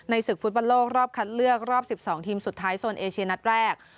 ศึกฟุตบอลโลกรอบคัดเลือกรอบ๑๒ทีมสุดท้ายโซนเอเชียนัดแรก